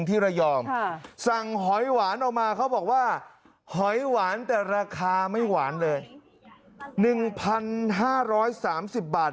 ออกมาเขาบอกว่าหอยหวานแต่ราคาไม่หวานเลยหนึ่งพันห้าร้อยสามสิบบาท